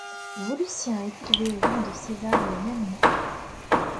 Volusien est élevé au rang de césar le même mois.